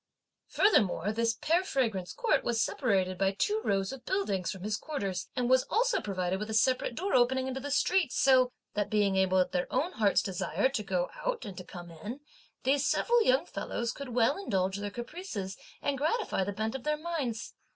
Furthermore, this Pear Fragrance Court was separated by two rows of buildings from his quarters and was also provided with a separate door opening into the street, so that, being able at their own heart's desire to go out and to come in, these several young fellows could well indulge their caprices, and gratify the bent of their minds.